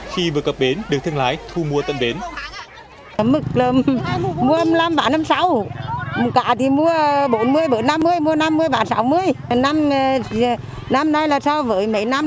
khi vừa cập bến được thương lái thu mua tận bến